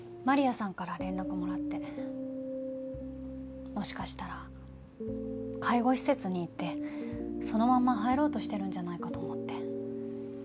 マリアさんから連絡もらってもしかしたら介護施設に行ってそのまま入ろうとしてるんじゃないかと思って。